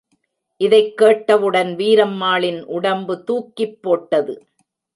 இதைக் கேட்டவுடன், வீரம்மாளின் உடம்பு தூக்கிப்போட்டது.